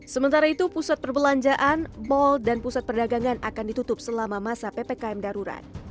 sementara itu pusat perbelanjaan mal dan pusat perdagangan akan ditutup selama masa ppkm darurat